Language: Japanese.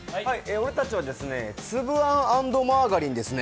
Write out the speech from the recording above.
俺たちはつぶあん＆マーガリンですね。